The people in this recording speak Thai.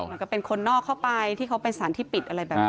มันก็เป็นคนนอกเข้าไปที่เขาเป็นสารที่ปิดอะไรแบบนี้